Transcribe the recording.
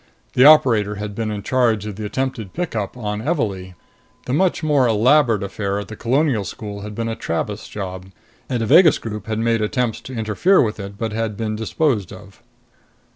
The operator had been in charge of the attempted pickup on Evalee. The much more elaborate affair at the Colonial School had been a Tranest job. A Devagas group had made attempts to interfere with it, but had been disposed of.